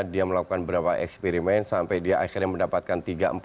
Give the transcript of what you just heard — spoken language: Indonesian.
dia melakukan beberapa eksperimen sampai dia akhirnya mendapatkan tiga empat